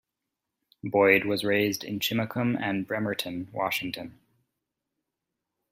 Boyd was raised in Chimacum and Bremerton, Washington.